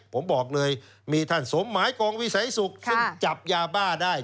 ผมบอกเลยมีท่านสมหมายกองวิสัยสุขซึ่งจับยาบ้าได้